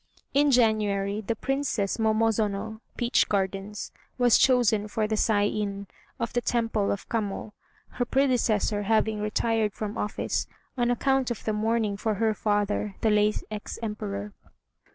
In January the Princess Momo zono (peach gardens) was chosen for the Saiin, of the Temple of Kamo, her predecessor having retired from office, on account of the mourning for her father, the late ex Emperor.